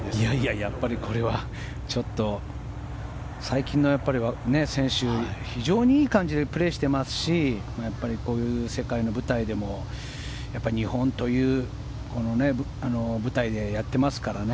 やっぱりこれは最近の若い選手非常にいい感じでプレーしてますしこういう世界の舞台でも日本という舞台でやっていますからね。